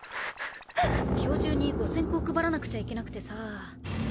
今日中に５，０００個配らなくちゃいけなくてさぁ。